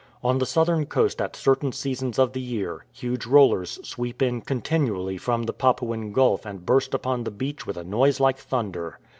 On the southern coast at certain seasons of the year huge rollers sweep in continually from the Papuan Gulf and bui'st upon the beach with a noise like thunder.